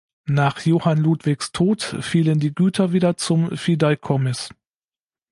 Nach Johann Ludwigs Tod fielen die Güter wieder zum Fideikommiss.